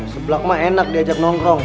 seblak mah enak diajak nongkrong